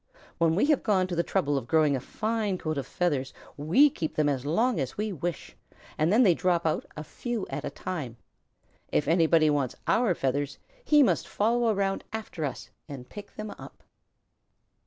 When we have gone to the trouble of growing a fine coat of feathers, we keep them as long as we wish, and then they drop out, a few at a time. If anybody wants our feathers, he must follow around after us and pick them up."